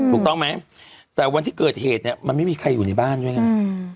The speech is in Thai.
ถูกต้องไหมแต่วันที่เกิดเหตุเนี่ยมันไม่มีใครอยู่ในบ้านด้วยไง